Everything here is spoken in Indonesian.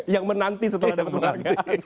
yang menanti setelah ada penghargaan